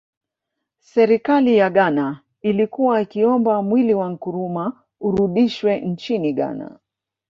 Serikali ya Ghana ilikuwa ikiomba mwili wa Nkrumah urudishwe nchini Ghana